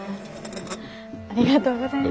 ありがとうございます。